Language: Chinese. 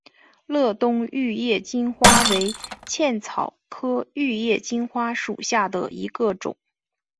乐东玉叶金花为茜草科玉叶金花属下的一个种。